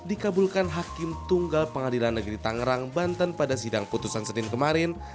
dikabulkan hakim tunggal pengadilan negeri tangerang banten pada sidang putusan senin kemarin